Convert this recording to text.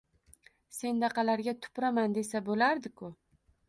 Sendaqalarga tupuraman desa boʻlardi-ku!